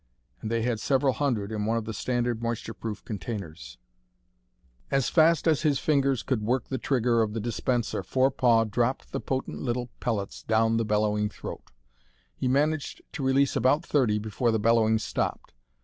And they had several hundred in one of the standard moisture proof containers. As fast as his fingers could work the trigger of the dispenser Forepaugh dropped the potent little pellets down the bellowing throat. He managed to release about thirty before the bellowing stopped.